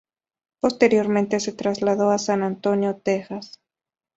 Posteriormente se trasladó a San Antonio, Texas.